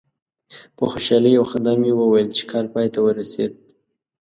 په خوشحالي او خندا مې وویل چې کار پای ته ورسید.